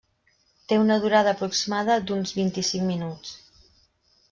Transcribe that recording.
Té una durada aproximada d'uns vint-i-cinc minuts.